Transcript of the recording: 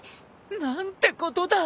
何てことだ！